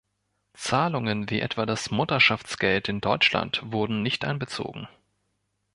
Zahlungen wie etwa das Mutterschaftsgeld in Deutschland wurden nicht einbezogen.